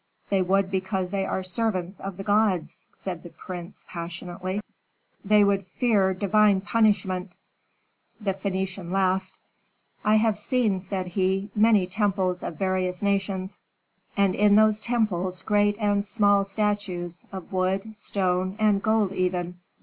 "They would because they are servants of the gods," said the prince, passionately; "they would fear divine punishment." The Phœnician laughed. "I have seen," said he, "many temples of various nations, and in those temples great and small statues, of wood, stone, and gold even.